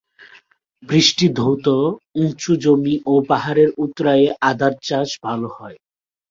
বৃষ্টিধৌত উঁচু জমি ও পাহাড়ের উতরাইয়ে আদার চাষ ভাল হয়।